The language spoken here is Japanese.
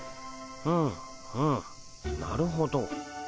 うんうんなるほど。